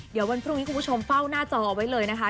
เดี๋ยววันพรุ่งนี้คุณผู้ชมเฝ้าหน้าจอไว้เลยนะคะ